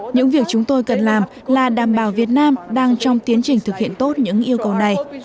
những việc chúng tôi cần làm là đảm bảo việt nam đang trong tiến trình thực hiện tốt những yêu cầu này